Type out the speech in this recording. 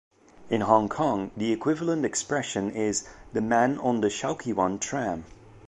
In Hong Kong, the equivalent expression is "the man on the Shaukiwan Tram".